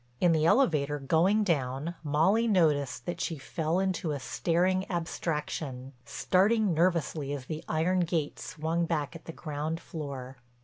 In the elevator, going down, Molly noticed that she fell into a staring abstraction, starting nervously as the iron gate swung back at the ground floor.